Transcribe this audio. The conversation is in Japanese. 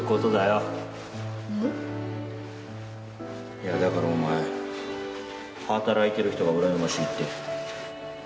いやだからお前働いてる人がうらやましいって。